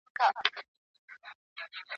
رابللي یې څو ښځي له دباندي ,